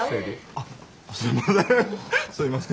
あっすいません。